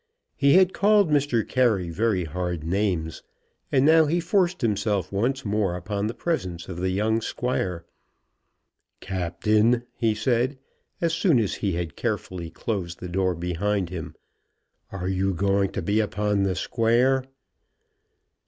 He had called Mr. Carey very hard names; and now he forced himself once more upon the presence of the young Squire. "Captain," he said, as soon as he had carefully closed the door behind him, "are you going to be upon the square?"